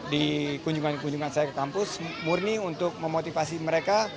di kunjungan kunjungan saya ke kampus murni untuk memotivasi mereka